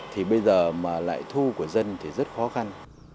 thì bây giờ mà lại thu của dân thì rất khó khăn